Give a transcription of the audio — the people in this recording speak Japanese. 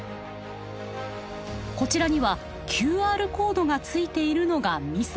こちらにはＱＲコードがついているのがミソ。